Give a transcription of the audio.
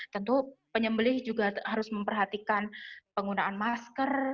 tentu penyembeli juga harus memperhatikan penggunaan masker